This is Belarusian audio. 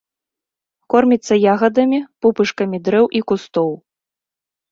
Корміцца ягадамі, пупышкамі дрэў і кустоў.